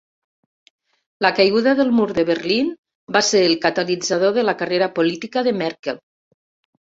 La caiguda del Mur de Berlín va ser el catalitzador de la carrera política de Merkel.